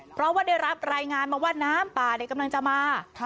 เพราะว่าได้รับรายงานมาว่าน้ำป่ากำลังจะมา